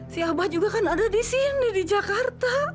si abah juga kan ada di sini di jakarta